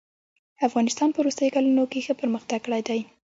افغانستان په وروستيو کلونو کښي ښه پرمختګ کړی دئ.